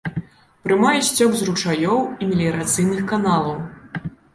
Прымае сцёк з ручаёў і меліярацыйных каналаў.